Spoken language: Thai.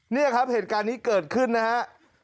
นี่ครับเหตุการณ์นี้เกิดขึ้นนะฮะ